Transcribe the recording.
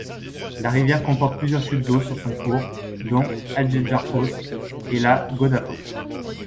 La rivière comporte plusieurs chutes d'eau sur son cours dont l'Aldeyjarfoss et la Goðafoss.